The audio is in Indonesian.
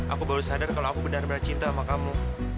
aku baru sadar kalau aku benar benar cinta sama kamu